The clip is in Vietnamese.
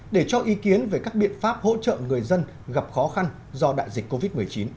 để cho ý kiến về các biện pháp hỗ trợ người dân gặp khó khăn do đại dịch covid một mươi chín